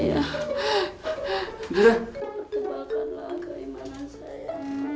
pertubuhkanlah keimanan saya